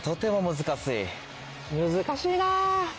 難しいな。